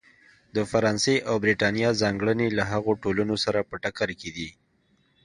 د فرانسې او برېټانیا ځانګړنې له هغو ټولنو سره په ټکر کې دي.